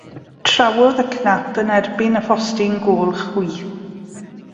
Trawodd y cnap yn erbyn y postyn gôl chwith.